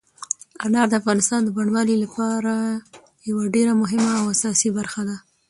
انار د افغانستان د بڼوالۍ یوه ډېره مهمه او اساسي برخه ده.